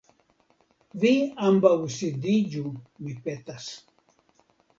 Vi ambaŭ sidiĝu, mi petas.